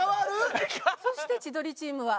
そして千鳥チームは。